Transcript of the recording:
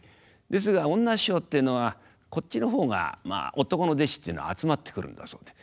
ですが女師匠っていうのはこっちの方がまあ男の弟子というのは集まってくるんだそうで。